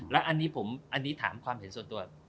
แล้วอันนี้ผมอันนี้ถามความเห็นส่วนตัว